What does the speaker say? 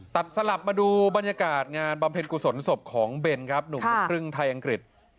สลับมาดูบรรยากาศงานบำเพ็ญกุศลศพของเบนครับหนุ่มลูกครึ่งไทยอังกฤษ